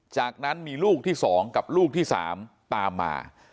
จากนั้นมีลูกที่๒กับลูกที่๓ตามมา